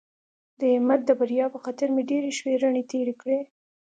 د احمد د بریا په خطر مې ډېرې شپې رڼې تېرې کړې.